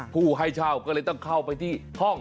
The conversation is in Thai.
ผู้ให้เช่าก็เลยต้องเข้าไปที่ห้อง